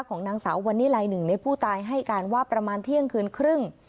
ของนางสาววันนี้ลัยหนึ่งในผู้ตายให้การว่าประมาณเที่ยงคืนครึ่ง